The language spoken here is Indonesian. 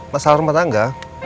masalah rumah tangga